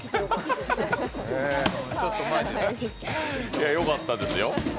いや、良かったですよ。